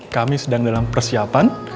kami sedang dalam persiapan